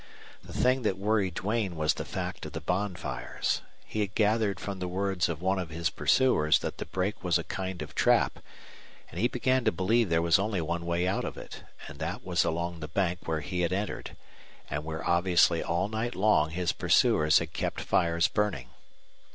The thing that worried Duane was the fact of the bonfires. He had gathered from the words of one of his pursuers that the brake was a kind of trap, and he began to believe there was only one way out of it, and that was along the bank where he had entered, and where obviously all night long his pursuers had kept fires burning.